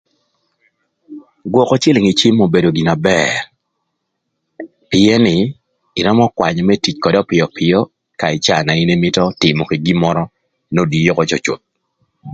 Gwökö cïlïng ï cim obedo gin na bër pïën nï ïrömö kwanyö më tïc ködë pïöpïö ka ï caa na in ïmïtö tïmö kï gin mörö n'odii ökö cücüth